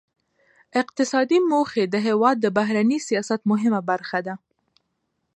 اقتصادي موخې د هیواد د بهرني سیاست مهمه برخه ده